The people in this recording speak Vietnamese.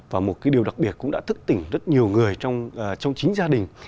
và một cái điều đặc biệt cũng đã thức tỉnh rất nhiều người trong chính gia đình